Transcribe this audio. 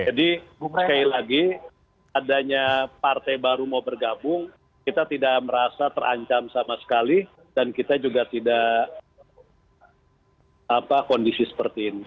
jadi sekali lagi adanya partai baru mau bergabung kita tidak merasa terancam sama sekali dan kita juga tidak kondisi seperti ini